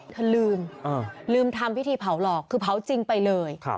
เธอลืมลืมทำพิธีเผาหลอกคือเผาจริงไปเลย